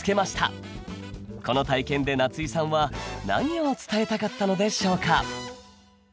この体験で夏井さんは何を伝えたかったのでしょうか